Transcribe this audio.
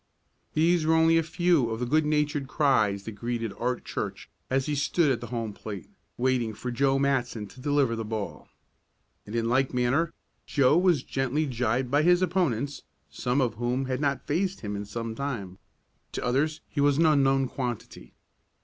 These were only a few of the good natured cries that greeted Art Church as he stood at the home plate, waiting for Joe Matson to deliver the ball. And, in like manner, Joe was gently gibed by his opponents, some of whom had not faced him in some time. To others he was an unknown quantity.